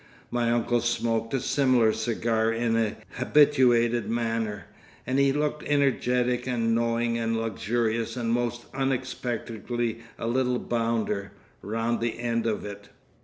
My uncle smoked a similar cigar in an habituated manner, and he looked energetic and knowing and luxurious and most unexpectedly a little bounder, round the end of it.